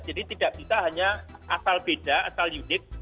jadi tidak kita hanya asal beda asal unik